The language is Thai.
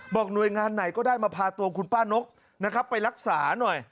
หน่วยงานไหนก็ได้มาพาตัวคุณป้านกนะครับไปรักษาหน่อย